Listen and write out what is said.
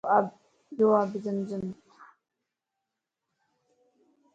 يو آبِ زم زمَ